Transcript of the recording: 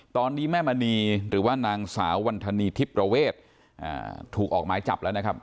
ตอนนี้แม่มณีหรือว่านางสาววันธนีทิพย์ประเวทถูกออกหมายจับแล้วนะครับ